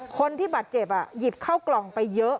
คนที่บาดเจ็บหยิบเข้ากล่องไปเยอะ